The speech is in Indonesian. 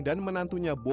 dan menantunya boky